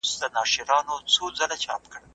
په هره ميلمستيا او دعوت کي بايد صالح خلک را وبلل سي.